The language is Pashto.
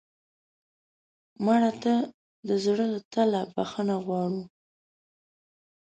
مړه ته د زړه له تله بښنه غواړو